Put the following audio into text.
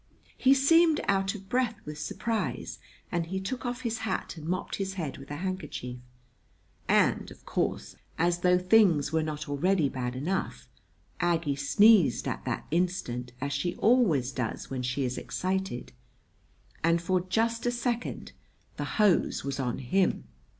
He seemed out of breath with surprise; and he took off his hat and mopped his head with a handkerchief. And, of course, as though things were not already bad enough, Aggie sneezed at that instant, as she always does when she is excited; and for just a second the hose was on him.